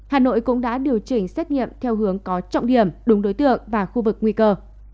hà nội cũng đã điều chỉnh xét nghiệm theo hướng có trọng điểm đúng đối tượng và khu vực nguy cơ